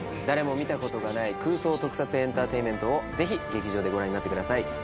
誰も見たことがない空想特撮エンターテインメントをぜひ劇場でご覧になってください。